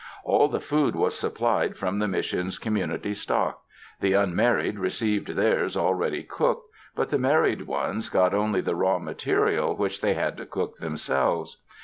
All the food was supplied from the Mis sion's community stock; the unmarried received theirs already cooked, but the married ones got only the raw material which they had to cook themselves.